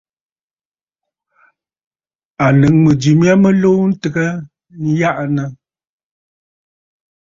À nɨ̌ŋ mɨ̀jɨ mya mɨ luu ntɨgə njaʼanə.